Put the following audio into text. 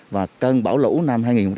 và cơn bão lũ năm hai nghìn hai mươi